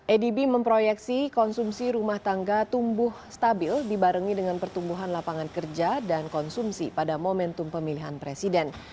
adb memproyeksi konsumsi rumah tangga tumbuh stabil dibarengi dengan pertumbuhan lapangan kerja dan konsumsi pada momentum pemilihan presiden